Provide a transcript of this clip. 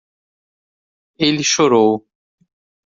Ele chorou